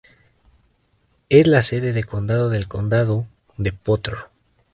Es la sede de condado del condado de Potter.